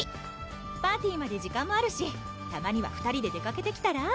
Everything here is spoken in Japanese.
パーティまで時間もあるしたまには２人で出かけてきたら？